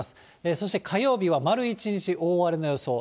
そして火曜日は丸１日大荒れの予想。